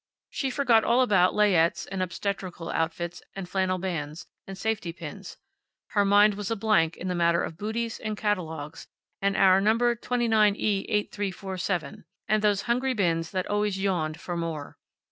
She forgot all about layettes, and obstetrical outfits, and flannel bands, and safety pins; her mind was a blank in the matter of bootees, and catalogues, and our No. 29E8347, and those hungry bins that always yawned for more.